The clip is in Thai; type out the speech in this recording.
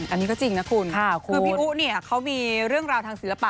อันนี้ก็จริงนะคุณคือพี่อุ๊เนี่ยเขามีเรื่องราวทางศิลปะ